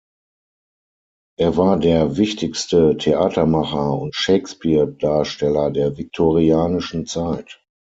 Er war der wichtigste Theatermacher und Shakespeare-Darsteller der viktorianischen Zeit.